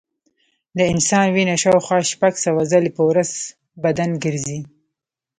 د انسان وینه شاوخوا شپږ سوه ځلې په ورځ بدن ګرځي.